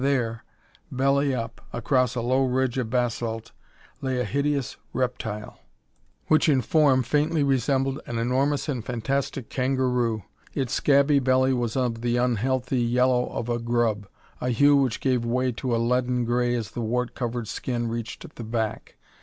There, belly up, across a low ridge of basalt, lay a hideous reptile, which in form faintly resembled an enormous and fantastic kangaroo. Its scabby belly was of the unhealthy yellow of a grub, a hue which gave way to a leaden gray as the wart covered skin reached the back.